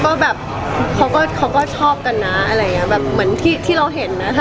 ก็แบบเขาก็ชอบกันนะแบบเหมือนที่เราเห็นนะ